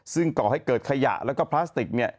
ซึ่งก่อให้เกิดขยะแล้วก็พลาสติกเนี่ย